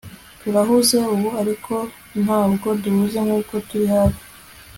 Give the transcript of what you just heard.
Turahuze ubu ariko ntabwo duhuze nkuko turi hafi